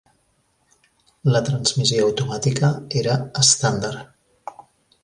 La transmissió automàtica era estàndard.